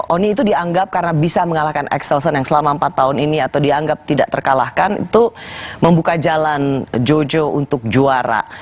oni itu dianggap karena bisa mengalahkan axelsen yang selama empat tahun ini atau dianggap tidak terkalahkan itu membuka jalan jojo untuk juara